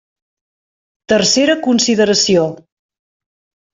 Tercera consideració.